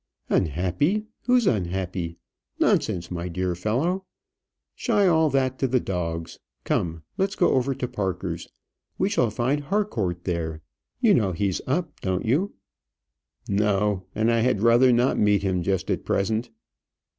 "Unhappy! who's unhappy? Nonsense, my dear fellow. Shy all that to the dogs. Come, let's go over to Parker's; we shall find Harcourt there. You know he's up, don't you?" "No; and I had rather not meet him just at present."